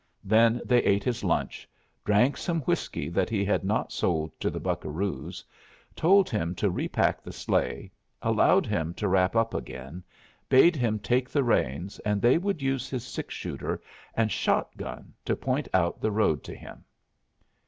Then they ate his lunch, drank some whiskey that he had not sold to the buccaroos, told him to repack the sleigh, allowed him to wrap up again, bade him take the reins, and they would use his six shooter and shot gun to point out the road to him.